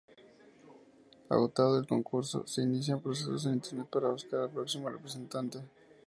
Agotado el concurso, se inician procesos en Internet para buscar al próximo representante.